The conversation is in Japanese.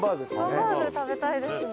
ハンバーグ食べたいですね。